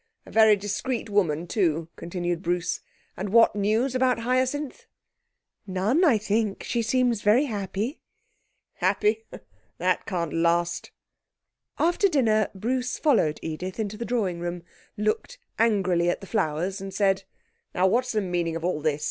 'A very discreet woman, too,' continued Bruce. 'And what news about Hyacinth?' 'None, I think. She seems very happy.' 'Happy! That can't last.' After dinner Bruce followed Edith into the drawing room, looked angrily at the flowers and said 'Now what's the meaning of all this?